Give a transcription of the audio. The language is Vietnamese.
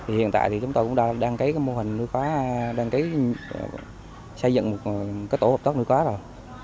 hiện tại thì chúng tôi cũng đăng ký cái mô hình nuôi khóa đăng ký xây dựng cái tổ hợp thác nuôi khóa rồi